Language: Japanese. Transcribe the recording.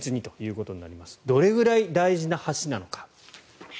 どれぐらい大事な橋なのか。